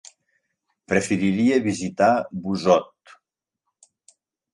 Preferiria visitar Busot.